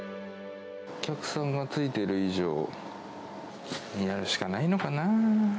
お客さんがついている以上、やるしかないのかなぁ。